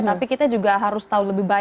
tapi kita juga harus tahu lebih baik